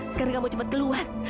sekarang kamu cepat keluar